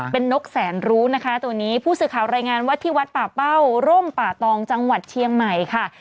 เป็นนกแสนรู้นะคะตัวนี้ผู้สื่อข่าวรายงานว่าที่วัดป่าเป้าร่มป่าตองจังหวัดเชียงใหม่ค่ะ